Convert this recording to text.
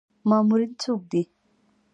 مامورین څوک دي؟